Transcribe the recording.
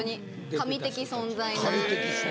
神的存在。